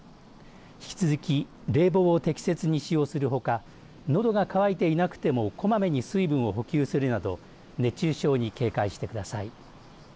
引き続き冷房を適切に使用するほかのどが渇いていなくてもこまめに水分を補給するなど熱中症に警戒してください。